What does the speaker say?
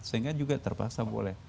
sehingga juga terpaksa boleh